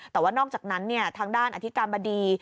แต่ว่านอกจากนั้นทางด้านอธิการบดี